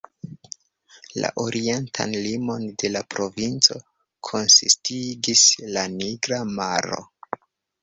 La orientan limon de la provinco konsistigis la Nigra Maro.